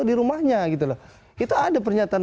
di rumahnya itu ada pernyataan